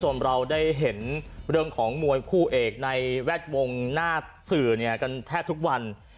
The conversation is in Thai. เราได้เห็นเรื่องของมวยคู่เอกในแวดวงหน้าสื่อเนี่ยกันแทบทุกวัน